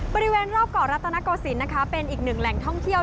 บริเวณรอบเกาะรัตนโกศิลปเป็นอีกหนึ่งแหล่งท่องเที่ยว